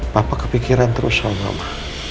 bapak kepikiran terus soal mama